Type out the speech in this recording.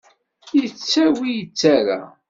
Yettawi, yettarra.